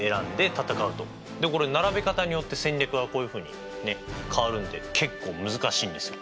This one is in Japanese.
でこれ並べ方によって戦略がこういうふうに変わるんで結構難しいんですよ。